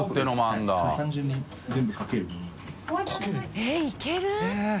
えっいける？